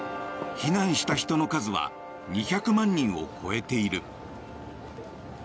避難した人の数は２００万人を超えている。